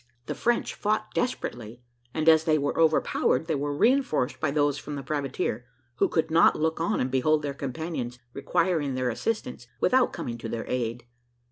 The French fought desperately, and as they were overpowered, they were reinforced by those from the privateer, who could not look on and behold their companions requiring their assistance, without coming to their aid.